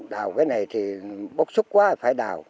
đào cái này thì bốc xúc quá thì phải đào